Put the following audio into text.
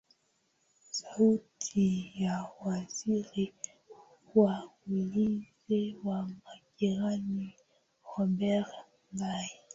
sauti ya waziri wa ulinzi wa marekani robert gay